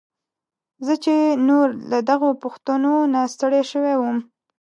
زه چې نور له دغو پوښتنو نه ستړی شوی وم.